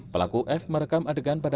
pelaku f merekam adegan pada